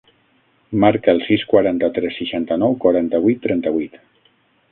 Marca el sis, quaranta-tres, seixanta-nou, quaranta-vuit, trenta-vuit.